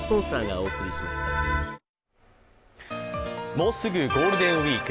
もうすぐゴールデンウイーク。